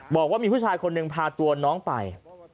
บอกว่ามีผู้ชายคนหนึ่งพาตัวน้องไป